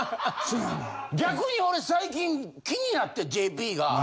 逆に俺最近気になってＪＰが。